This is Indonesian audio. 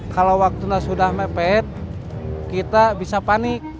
kalau waktunya sudah mepet kita bisa panik